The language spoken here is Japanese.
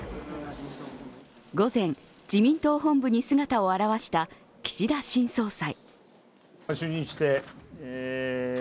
午前、自民党本部に姿を現した岸田新総裁。